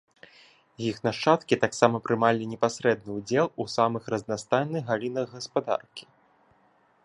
Іх нашчадкі таксама прымалі непасрэдны ўдзел у самых разнастайных галінах гаспадаркі.